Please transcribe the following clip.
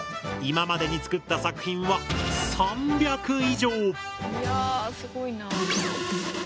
今までに作った作品は３００以上！